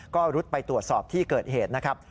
ก็รุดไปตรวจสอบที่เกิดเหตุนะครับ